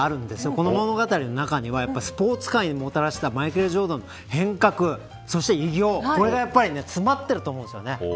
この物語の中にはスポーツ界にもたらしたマイケル・ジョーダンの変革そして偉業これが詰まってると思うんですよね。